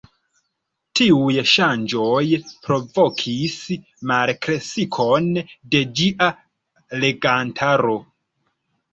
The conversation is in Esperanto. Tiuj ŝanĝoj provokis malkreskon de ĝia legantaro.